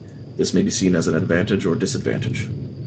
This may be seen as an advantage or disadvantage.